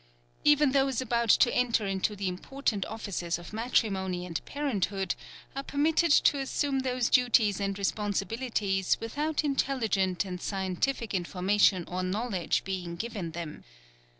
Even those about to enter into the important offices of matrimony and parenthood are permitted to assume those duties and responsibilities without intelligent and scientific information or knowledge being given them.